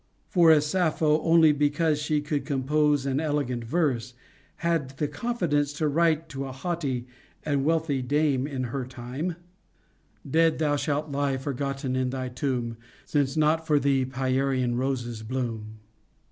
For if Sappho, only because she could com pose an elegant verse, had the confidence to write to a haughty and wealthy dame in her time : Dead thou shalt lie forgotten in thy tomb, Since not for thee Pierian roses bloom,* * Sappho, Frag.